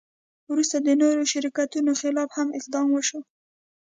وروسته د نورو شرکتونو خلاف هم اقدام وشو.